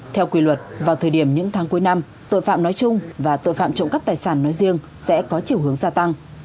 theo quy luật vào thời điểm những tháng cuối năm tội phạm nói chung và tội phạm trộm cắp tài sản nói riêng sẽ có chiều hướng gia tăng